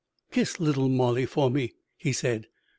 "Kiss Little Molly for me," he said.